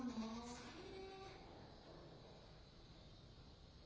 それね。